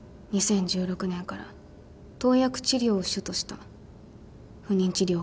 ２０１６年から投薬治療を主とした不妊治療を開始しました。